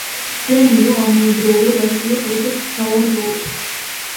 დე ნირო ამავდროულად ასრულებს ერთ-ერთ მთავარ როლს.